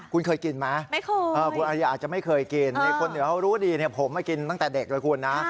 คุณเคยกินไหมอาจจะไม่เคยกินคนเหนือเขารู้ดีผมมากินตั้งแต่เด็กเลยคุณนะ